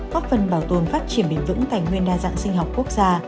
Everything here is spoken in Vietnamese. góp phần bảo tồn phát triển bền vững tài nguyên đa dạng sinh học quốc gia